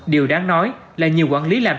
điều đáng nói là nhiều quản lý làm chứ không